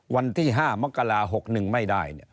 วันที่๕มกรา๖๑ไม่ได้